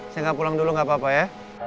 saya gak pulang dulu gak apa apa ya